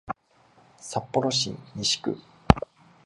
札幌市西区